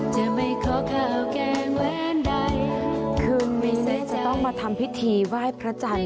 จะไม่ขอเข้าแกงแหวนใดคืนนี้จะต้องมาทำพิธีไหว้พระจันทร์